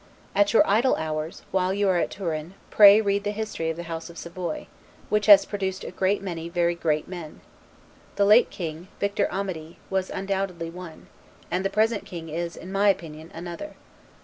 At your idle hours, while you are at Turin, pray read the history of the House of Savoy, which has produced a great many very great men. The late king, Victor Amedee, was undoubtedly one, and the present king is, in my opinion, another.